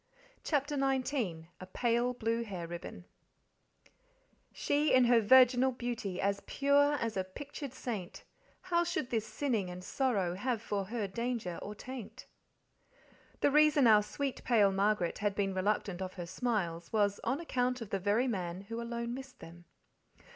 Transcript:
CHAPTER XIX A Pale Blue Hair Ribbon She in her virginal beauty As pure as a pictured saint, How should this sinning and sorrow Have for her danger or taint? The reason our sweet pale Margaret had been reluctant of her smiles was on account of the very man who alone missed them.